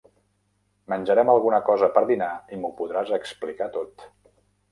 Menjarem alguna cosa per dinar i m'ho podràs explicar tot.